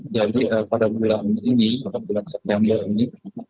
jadi pada bulan ini bulan september ini